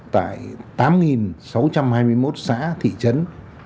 tại tám sáu trăm hai mươi một xã thị trấn